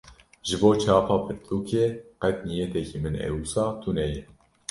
Ji bo çapa pirtûkê, qet niyetekî min ê wisa tuneye